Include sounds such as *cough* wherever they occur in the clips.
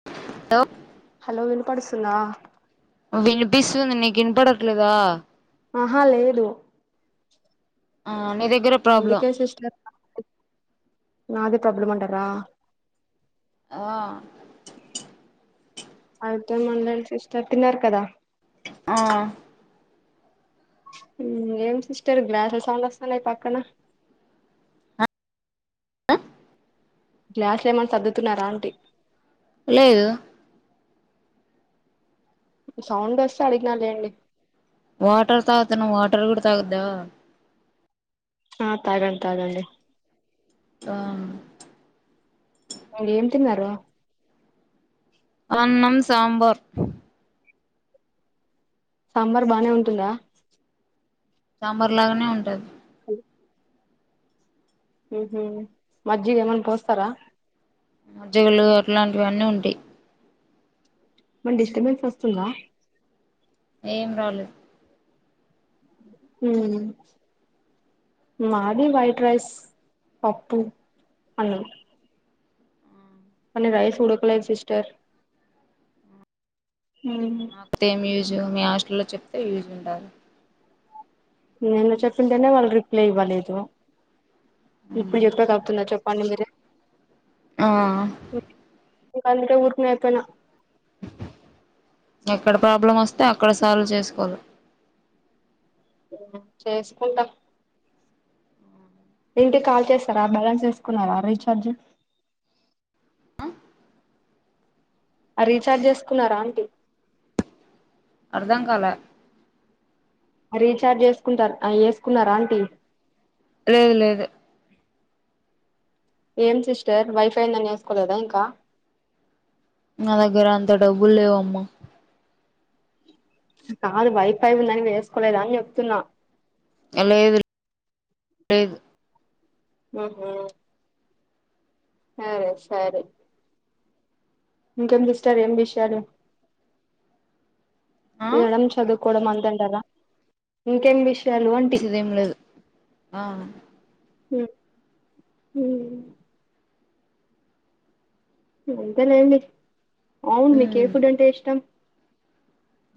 *unintelligible* Hello వినుపడుసుంద వినిపిస్తుంది నీకు వినిపడట్లేదా ఆహా లేదు ఆ నీ దగ్గర ప్రాబ్లం అందుకే సిస్టర్ నాదే ప్రాబ్లం అంటార ఆ అయితే మందలేండి సిస్టర్ తిన్నారు కదా ఆ ఏం సిస్టర్ గ్లాసులు సౌడ్ వస్తున్నాయి పక్కన గ్లాస్లు ఏమన్నా సర్దుతున్నారా అంటీ లేదు సౌండ్ వస్తే అడిగినా లేండి వాటర్ తాగుతున్న వాటర్ కూడా తాగుద్దా ఆ తాగండి తాగండి తామ్ మీర్ ఏం తిన్నారు అన్నం సాంబార్ సాంబార్ బానే ఉంటుందా సాంబార్ లాగానే ఉంటది హలో ఉహూ మజ్జిగ ఎమన్నా పోస్తారా మజ్జిగలు అట్లాంటివన్నీ ఉంటాయి మన్ డిస్టర్బెన్స్ వస్తుందా ఏం రాలు ఊ మాది వైట్ రైస్ పప్పుూ అన్నం అన్ని రైస్ ఉడకలే సిస్టర్ ఉ జూ మీ హాస్టల్లో చెప్తే యూజ్ వుంటాది నిన్న చెప్పింటేనే వాళ్ళు రిప్లై ఇవ్వలేదు ఇప్పుడు లిఫ్టో కాపుతున్నా చెప్ పని మిరు ఆ ఇంక అంతే ఊరుకునే అయిపోయినా ఎక్కడ ప్రాబ్లం వస్తే అక్కడ సాల్వ్ చేసుకోళ్ల ఊ చేసుకుంటాం ఏంటి కాల్ చేస్తారా బ్యాలన్స్ వేసుకున్నారా రీఛార్జ్ అ రీఛార్జ్ చేసుకున్నారా ఆంటీ అర్ధం కాలా రీఛార్జ్ ఏసుకుంటార ఏసుకున్నార ఆంటీ లేదు లేదు ఏం సిస్టర్ వైఫే ఉందని వేసుకోలేదా ఇంకా నా దగ్గర అంత డబ్బులు లేవమ్మా కాదు వై పై ఉందని వేసుకోలేదా అని చెప్తున్నా లేదు లేదు ఉహూ సరే సరి ఇంకేం దిస్టర్ ఏం విషయాలు ఆ తినడం చదువుకోవడం అన్ వద్దంటారా ఇంకెం విష్ సిదేంలేదు ఆ ఉ ఊ ఎంత న ఏమ్ లే అవును మీకే ఏ ఉమ్ ఫుడ్ అంటే ఇష్టం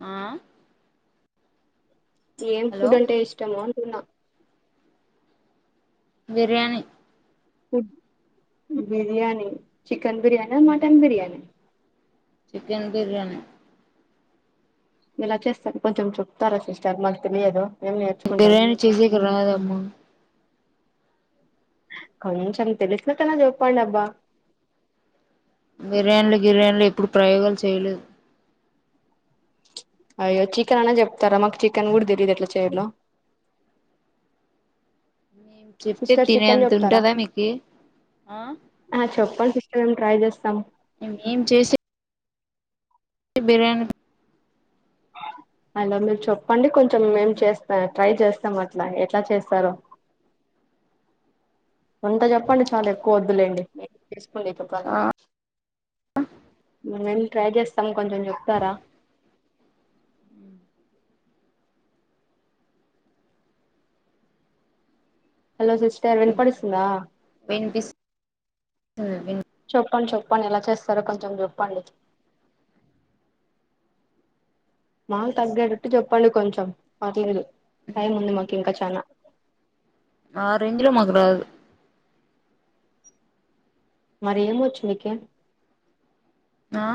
ఆ ఏం హలో ఫుడ్ అంటే ఇష్టమో అంటున్నా బిర్యానీి ఫ బిర్యానీ చి చికన్ బిర్యానా మటన్ బిర్యానా చికెన్ బిర్యానీ ఎలా చేస్తారు కొంచెం చెప్తారా సిస్టర్ మాకు తెలిదు బిర్యానీ చేసక రాదమ్మా కొంచెం తెలిసిన తన చూప్పడి అబ్బా బిర్యానీలు గిర్యానీలు ఎప్పుడు ప్రయోగాలు చేయలేదు అయ్యో చికెన్ అనే చెప్తారా మాకు చికెన్ కూడా తెలీదు ఎట్లా చేయలో నేము చెప్తే తినేంత ఉంటుందా మీకు ఆ ఆ చెప్పండి మేము ట్రై చేస్తాం ఏం చేసి బిరన్ అలా మీరు చెప్పండి కొంచెం మేం చేస్తా ట్రై చేస్తాం అట్లా ఎట్లా చేస్తారో కొంతా చెప్పండి చాలా ఎక్కువ వద్దులేండి ఉలికుప్పాల మేం ట్రై చేస్తాం కొంచెం చెప్తారా హలో సిస్టర్ వెనపడుస్తుందా వెన్పిస్ చెప్పండి చెప్పండి ఎలా చేస్తారో కొంచెం చెప్పండి మాలు తగ్గేటట్టు చెప్పండి కొంచెం పర్లేదు టైం ఉంది మాకు ఇంకా చాల ఆ రేంజ్ లో మాకు రాదు మరి ఏం వచ్చు నీక ఆ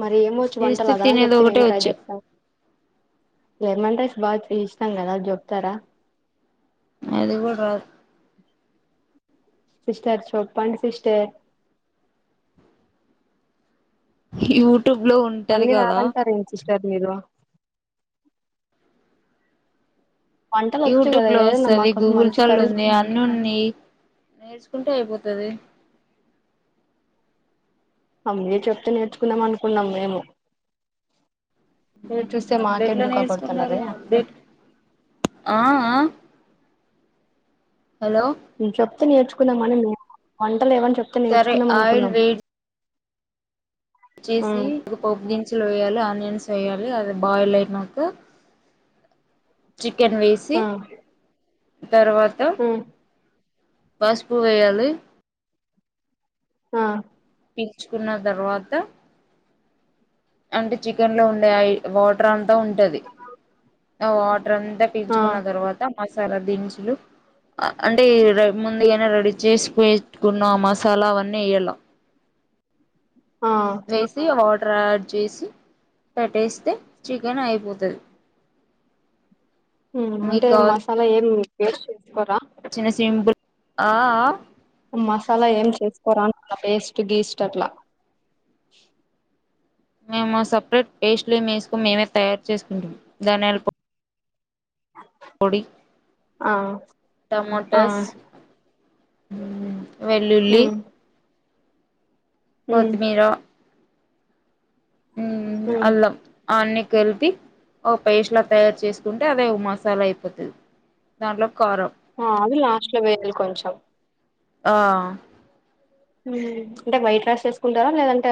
మరి ఏమోచ్చు వంటలు చేస్తే అదనా తినేది చెప్తే ఏం ఒకటే ట్రై వచ్చు చేస్తాం జర్మన్ రైస్ బాగా ఇష్టాం కదా చెప్తారా అది కూడా రాదు సిస్టర్ చోప్పడి సిస్టర్ ఇ హూర్ యూట్యూబ్ లో ఉంటది కదా ఏద యూట్యూబ్ లో ఏదైనా మా వస్తది కోసం గూగుల్ మంచి తల్లి కర్రీ ఉంది అన్ని ఉన్నాయి నేర్చుకుంటే అయిపోతది ఆ మీరు చెప్తే నేర్చుకుందం అనుకున్నాం మేము మీరు చూస్తే మాకే అట్లాట్ల డుంకా నేర్చుకుంటారు కొడుతున్నారే అప్డేట్ హలో చెప్తే నేర్చుకుందాం మనీ వంటలువన్ చెప్తే సరే ఆయుల్వేడ్ చేసి ఉమ్ పోపు దినుసులు వేయాలి ఆనియన్స్ చెయాలి అది బాయిల్ అయినాక చీకెన్ వేసి ఆ తర్వాత వాసుపు వేయాలి ఆ పించుకున్న తర్వాత అంటే చికెన్ లో ఉండయి వాటర్ అంత అ ఉంటది వాటర్ అంతా ఆ పీంచుకున్న తర్వాత మసాలా దినుసులు అంటే ముందుగానా రెడీ చేసి పెట్టుకున్నాం ఆ మసాలా అవన్నీ వేయాల ఆ వేసి హాట్ *unintelligible* చేసి పెట్టేస్తే చికెన్ అయిపోతుంది ఉహ్ అంటే మసాలా ఏం పేస్ట్ చేసుకోరా చిన్న సింపుల్ ఆ మసాలా ఏం చేసుకోరా అ పేస్ట్ గీస్ట్ అట్లా మేము సపరేట్ పేస్ట్లు మేసుకు మేమే తయారు చేసుకుంటాం దానియాల్ పొడి ఆ ఆ టమోటస్ మ్మ్ వెల్లుల్లి ఉమ్ ఉమ్ కొత్తిమీరా ఉమ్ అల్లం అన్నీ కలిపి ఒక పేస్ట్ లా తయారు చేసుకుంటే అదే మసాలా అయిపోతుంది దాంట్లో కారం ఆ అవి లాస్ట్ లో వేయాలి కొంచెం ఆ అంటే వైట్ రైస్ చేసుకుంటారా లేదంటే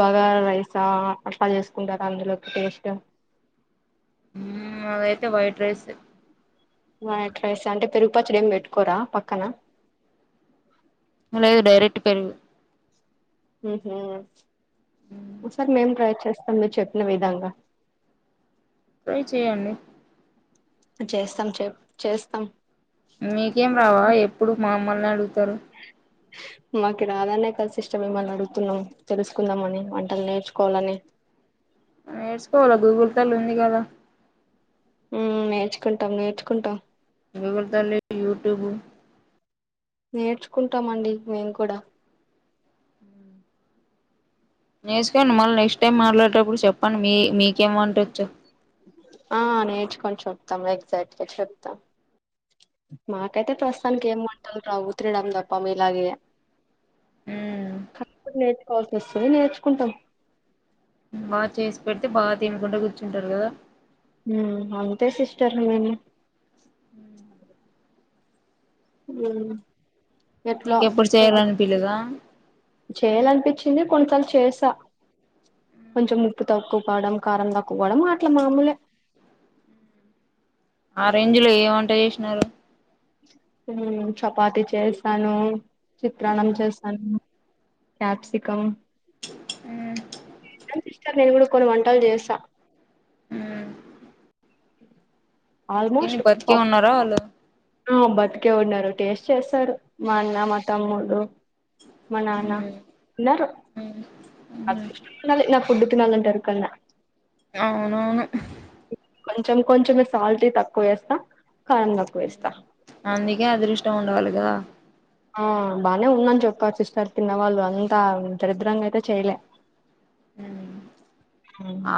బాగర రైసా అట్లా చేసుకుంటారా అందులోకి టేస్ట్ అదైతే వైట్ రైస్ వైట్ రైస్ అంటే పెరుగుపచ్చడి ఏం పెట్టుకోరా పక్కన అ లేదు డైరెక్ట్ పెరుగు సరే మేం ట్రై చేస్తాం మీరు చెప్పిన విధంగా ట్రై చేయండి చేస్తాం చే చేస్తాం మీకేం హ్మ్. రావా ఎప్పుడు మామల్నాడుతారు మాకి రాదనే కదు సిస్ట మిమ్మల్ని అడుగుతున్నాం తెలుసుకుందాం అని వంటలు నేర్చుకోవాలని నేర్చుకోవాల గూగుల్ తల్లి ఉంది కదా ఉహ్ నేర్చుకుంటాం నేర్చుకుంటాం గూగుల్ తల్లి యూట్యూబ్ నేర్చుకుంటామండి మేము కూడా నేర్చుకోండి మళ్ళీ నెక్స్ట్ టైమ్ మాట్లాడేటప్పుడు చెప్పండి మీ మీకేం వంటోచ్చో ఆ నేర్చుకొని చెప్తాం ఎగ్జాక్ట్గా చెప్తాం మాకైతే ప్రస్తుతానికి ఏం వంటలు రావూ తినడం తప్ప మీలాగే కా నేర్చుకోవాల్సి వస్తుంది నేర్చుకుంటాం బాగా చేసి పెడితే బాగా తినుకుంట కూర్చుంటారు కదా ఉహ్ అంతే సిస్టర్ మేము *inaudible* హ నీకెప్పుడు చేయాలనిపిలేదా ించింది కొంతసార్లు చేసా కొంచెం ముప్పు తక్కువ పవడం కారం త క్కువ డం అట్లా మామూలే ఆ రేంజ్ లో ఏ వంట చేసినారు చపాతి చేసాను చిత్రాణం చేస్తాను క్యాప్సికం ఉమ్ నాక్ ఇష్టమే నేను కూడా కొన్ని వంటలు చేస్తా హ తినీ బతికే ఉన్నారా వాళ్ళు ఆ బతికే ఉన్నారు టేస్ట్ చేస్తారు మా అన్న మా తమ్ముడు మ నాన్న ఉన్నారు కుడుతున్నాంగంటారు కొన్న అవునవును కొంచెం కొంచమే సాల్ట్ తక్కువ వేస్తా కారం తక్కువ వేస్తా అందుకే అదృష్టం ఉండవాలి గా ఆ బాగానే ఉందని చెప్పర్ సిస్టర్ తిన్నవాళ్ళు అంతా దరిద్రంగా అయితే చెయలే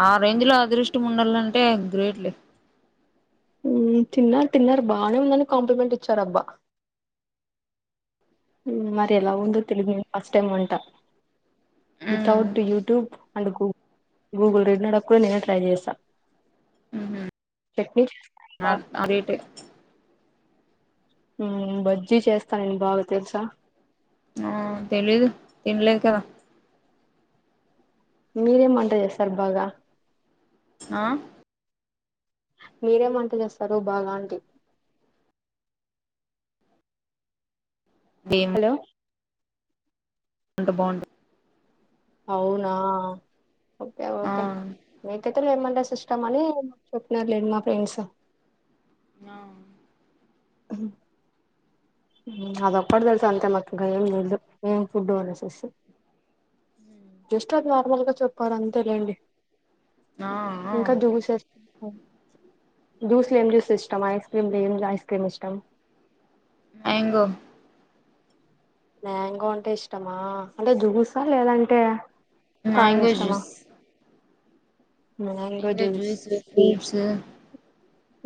ఆ రేంజ్ లో అదృష్టం వొండాల అంటే గ్రేట్లే తిన్నారు తిన్నారు బాగానే ఉందని కాంప్లిమెంట్ ఇచ్చారు అబ్బా మరి ఎలా ఉందో తెలుగు నేను ఫస్ట్ టైమ్ ఉంటా వితౌట్ యూట్యూబ్ అండ్ గూగు గూగుల్ రీడ్నడ కూడా నేనే ట్రై చేసా చట్నీ చేస్తాను ఆ బా అవేటి బజ్జీ చేస్తా నేను బాగా తెలుసా ఆ తెలీదు తినలేదు కదా మీరేం అంటది చేసార్ బాగా ఆ మీరేం వంట చేస్తారు బాగా అంటడి హలో ట బాగుంట అవునా ఓపే ఆ ఒకే *inaudible* లేమంట సిస్టమని చెప్పినర్ లేండి మా ఫ్రెండ్స్ ఆ అ అదొక్కటి తెలుసు అంతే మాకు ఇంకా ఏం లేదు ఏం ఫుడ్ అనేసేసి జస్ట్ అది నార్మల్గా చెప్పారు అంతే లేండి ఆ జ్యూస్ లో ఏం జ్యూస్ ఇష్టం ఐస్ క్రీమ్ లో ఏం ఐస్ క్రీమ్ ఇష్టం మాంగో మంగో అంటే ఇష్టమా అంటే జ్యూసా లేదంటే కాయ మ్యాంగో ఇష్టమా జూస్ మాంగో జ్యూస్ ఫ్రూట్స్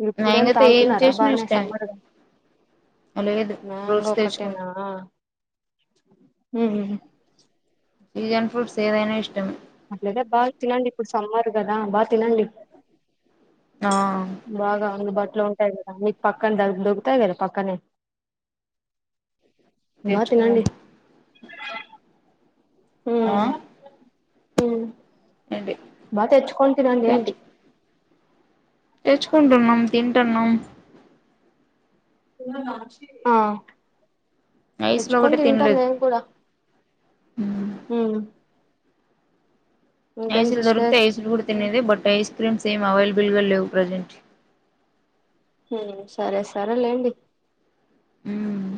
ఇప్పుడేం మ్యాంగోతో ఏం తాగుతున్నారా చేసినా బాగానే ఇష్టమే సమ్మర్గా లేదు మ్యాంగా ఫ్రూట్స్ తెచ్చుకున్నాం ఒకటేనా మ్మ్ చీజన్ ఫ్రూట్స్ ఏదైనా ఇష్టం అట్లద బాగా తినండి ఇప్పుడు సమ్మర్ కదా బాగా తినండి ఆ బాగా అందు బాట్ అట్లా ఉంటాయి కదా మీకు పక్కన దొ దొరుకుతాయి కదా పక్కనే బాగా తెచ్చుకునం తినండి ఆ హ ఏంటి బా తెచ్చకొ తనండి అంటి తెచ్చు తెచ్చుకుంటున్నాం తీన్ కుుట్టనం ఆ తెచ్చుకొని తింటా నేను కూడా హ మ్మ్ ఐస్ల్ దొరుకుతే సిస్టర్ ఐస్ల్ కూడా తినేది but ice creams same available గా లేవు ప్రజెంట్ హ సరే సరేలేండి మ్మ్